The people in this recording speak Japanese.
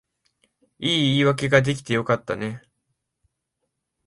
いい言い訳が出来てよかったね